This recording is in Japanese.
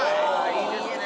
いいですね。